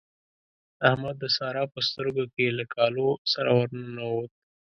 احمد د سارا په سترګو کې له کالو سره ور ننوت.